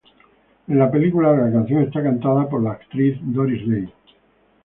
En la película la canción está cantada por la actriz Doris Day.